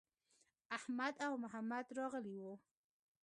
احمد او محمد راغلي وو.